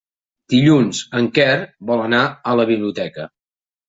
Dilluns en Quer vol anar a la biblioteca.